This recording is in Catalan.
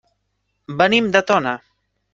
Venim de Tona.